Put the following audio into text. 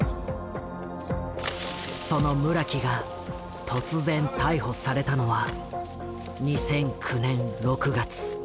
その村木が突然逮捕されたのは２００９年６月。